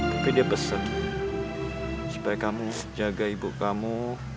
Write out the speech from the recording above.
tapi dia pesan supaya kamu jaga ibu kamu